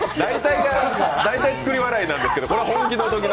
大体作り笑いなんですけど、これは本気のときの。